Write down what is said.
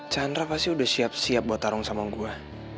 chandra pasti udah siap siap buat tarung sama gue